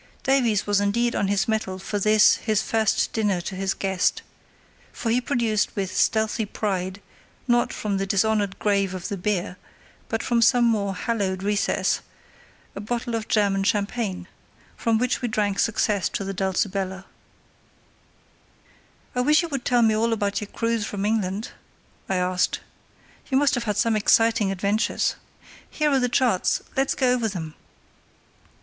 Davies was indeed on his mettle for this, his first dinner to his guest; for he produced with stealthy pride, not from the dishonoured grave of the beer, but from some more hallowed recess, a bottle of German champagne, from which we drank success to the Dulcibella. "I wish you would tell me all about your cruise from England," I asked. "You must have had some exciting adventures. Here are the charts; let's go over them."